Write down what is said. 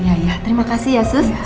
ya ya terima kasih ya suster